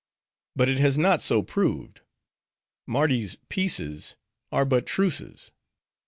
But it has not so proved. Mardi's peaces are but truces.